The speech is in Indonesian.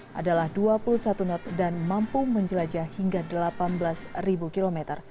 kapal selam ini juga memiliki panjang dua puluh satu knot dan mampu menjelajah hingga delapan belas ribu km